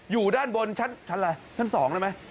อยู่ด้านบนชั้นอะไรชั้น๒ได้ไหม